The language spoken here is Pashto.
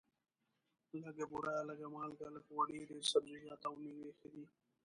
لږه بوره، لږه مالګه، لږ غوړي، ډېر سبزیجات او مېوې ښه دي.